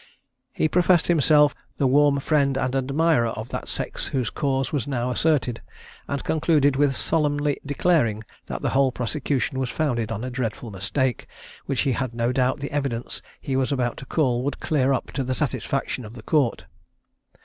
"He professed himself the warm friend and admirer of that sex whose cause was now asserted; and concluded with solemnly declaring that the whole prosecution was founded on a dreadful mistake, which he had no doubt the evidence he was about to call would clear up to the satisfaction of the Court."